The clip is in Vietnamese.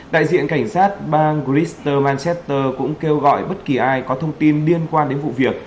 đại diện cảnh sát bang gristeur manchatter cũng kêu gọi bất kỳ ai có thông tin liên quan đến vụ việc